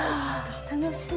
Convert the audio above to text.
楽しみ。